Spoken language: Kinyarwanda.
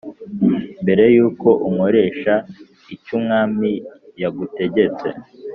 mbere yuko unkoresha icyumwami yagutegetse?"